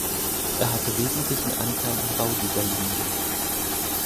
Er hatte wesentlichen Anteil am Bau dieser Linie.